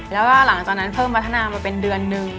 แล้วก็หลังจากนั้นเพิ่มพัฒนามาเป็นเดือนนึง